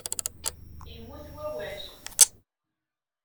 Immut wawal